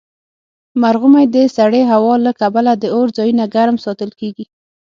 مرغومی د سړې هوا له کبله د اور ځایونه ګرم ساتل کیږي.